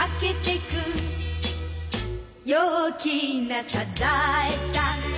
「陽気なサザエさん」